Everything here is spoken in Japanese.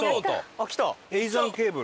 あっきた。